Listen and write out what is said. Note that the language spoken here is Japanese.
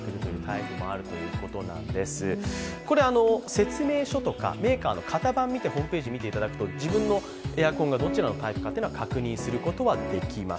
説明書とかメーカーの型番を見てホームページ見ていただくと自分のエアコンがどちらのタイプなのかということは確認することはできます。